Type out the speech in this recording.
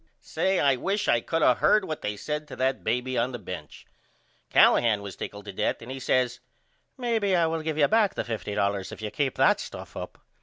Say, I wish I could of heard what they said to that baby on the bench. Callahan was tickled to death and he says Maybe I will give you back the $50.00 if you keep that stuff up.